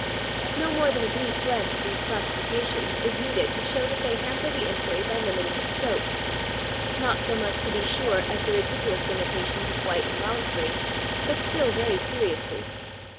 No more than a brief glance at these classifications is needed to show that they hamper the inquiry by limiting its scope not so much, to be sure, as the ridiculous limitations of White and Lounsbury, but still very seriously.